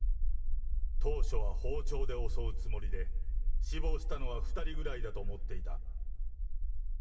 当初は包丁で襲うつもりで、死亡したのは２人ぐらいだと思っていた。